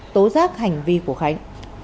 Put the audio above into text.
tố giác hành vi của khánh